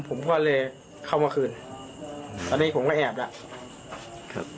ผมก็เลยเข้ามาคืนตอนนี้ผมก็แอบแล้วครับ